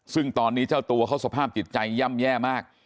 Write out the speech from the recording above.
ซึ่งตอนนี้เจ้าตัวเขาสภาพจิตใจย่ำแย่มาก